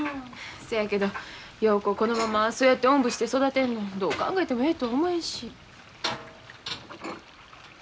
そやけど陽子をこのままそやっておんぶして育てるのどう考えてもええとは思えんし。